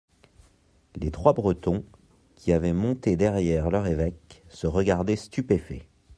Les trois Bretons, qui avaient monté derrière leur évêque, se regardaient stupéfaits.